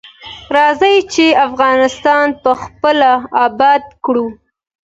راځی چی افغانستان پخپله اباد کړو.